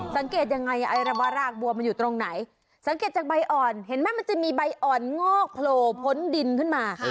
สังเกตยังไงไอราบารากบัวมันอยู่ตรงไหนสังเกตจากใบอ่อนเห็นไหมมันจะมีใบอ่อนงอกโผล่พ้นดินขึ้นมา